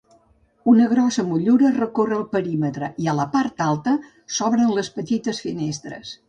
Una grossa motllura recorre el perímetre i a la part alta s'obren les petites finestres.